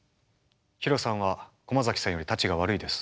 ヒロさんは駒崎さんよりタチが悪いです。